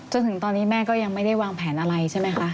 จนถึงตอนนี้แม่ก็ยังไม่ได้วางแผนอะไรใช่ไหมคะ